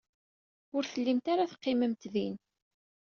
Ur tellimt ara teqqimemt din.